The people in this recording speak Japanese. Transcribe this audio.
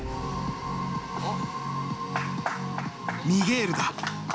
ミゲールだ。